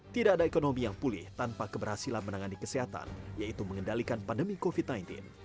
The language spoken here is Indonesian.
tidak ada ekonomi yang pulih tanpa keberhasilan menangani kesehatan yaitu mengendalikan pandemi covid sembilan belas